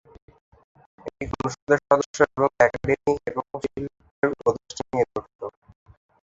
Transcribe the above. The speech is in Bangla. এটি অনুষদের সদস্য এবং একাডেমী এবং শিল্পের উপদেষ্টা নিয়ে গঠিত।